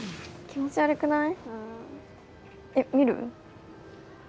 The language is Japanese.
気持ち悪くない？